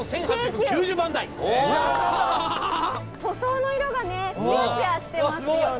塗装の色がねつやつやしてますよね。